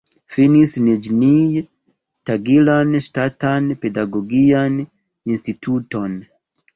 Finis Niĵnij-Tagilan Ŝtatan Pedagogian Instituton.